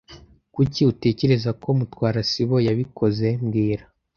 Kuki utekereza ko Mutwara sibo yabikoze mbwira